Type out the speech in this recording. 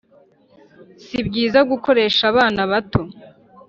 sibyiza gukoresha abana bato